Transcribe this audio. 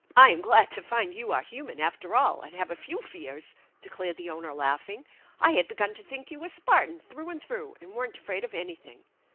" I'm glad to find you are human, after all, and have a few fears !" declared the owner, laughing. <f I had begun to think you were Spartan through and through and weren't afraid of anything.